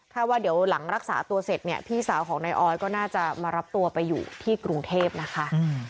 ถ้าว่าเดี๋ยวหลังรักษาตัวเสร็จเนี่ยพี่สาวของนายออยก็น่าจะมารับตัวไปอยู่ที่กรุงเทพนะคะ